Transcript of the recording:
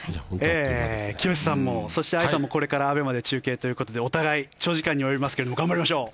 聖志さんも藍さんもこれからＡＢＥＭＡで中継ということでお互い長時間に及びますが頑張りましょう。